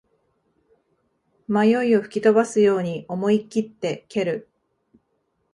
迷いを吹き飛ばすように思いきって蹴る